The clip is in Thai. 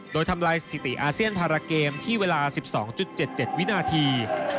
โดยทำลายสถิติอาเซียนพาราเกมที่เวลา๑๒๗๗วินาที